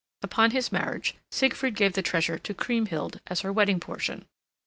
Upon his marriage, Siegfried gave the treasure to Kriemhild as her wedding portion.